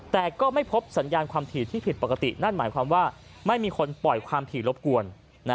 แต่ก็ไม่พบสัญญาณความถี่ที่ผิดปกตินั่นหมายความว่าไม่มีคนปล่อยความถี่รบกวน